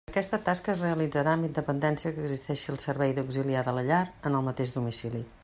Aquesta tasca es realitzarà amb independència que existeixi el servei d'auxiliar de la llar en el mateix domicili.